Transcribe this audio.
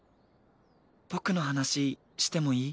僕の話してもいい？